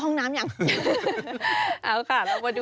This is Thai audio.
ค่ะ๑๖๖๑นะคะ